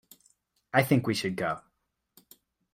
I think we should go.